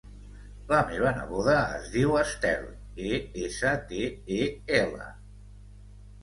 La meva neboda es diu Estel: e essa te e ela